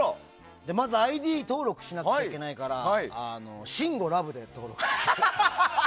まずＩＤ登録をしなくちゃいけないからシンゴラブで登録して。